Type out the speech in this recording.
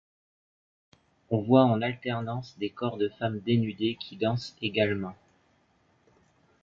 On voit en alternance des corps de femmes dénudées qui dansent également.